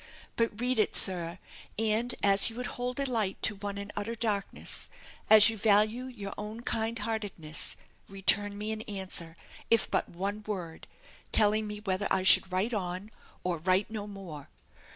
But read it, sir; and, as you would hold a light to one in utter darkness as you value your own kindheartedness return me an answer, if but one word, telling me whether I should write on, or write no more.